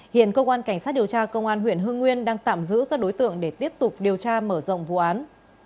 hiện cơ quan cảnh sát điều tra công an huyện hương nguyên đang tạm giữ các đối tượng để tiếp tục điều tra mở rộng vụ án